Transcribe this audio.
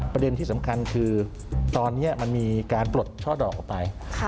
ประเด็นที่สำคัญคือตอนนี้มันมีการปลดช่อดอกออกไป